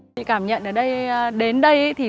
chị cảm nhận đến đây